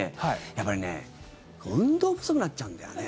やっぱりね運動不足になっちゃうんだよね。